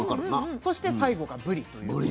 そして最後が「ぶり」ということで。